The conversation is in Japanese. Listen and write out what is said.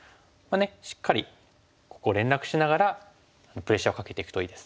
しっかりここ連絡しながらプレッシャーをかけていくといいです。